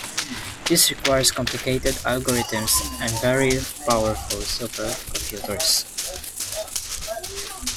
This requires complicated algorithms and very powerful supercomputers.